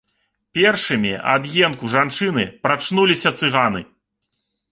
Першымі ад енку жанчыны прачнуліся цыганы.